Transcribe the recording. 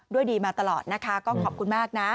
ดีมาตลอดนะคะก็ขอบคุณมากนะ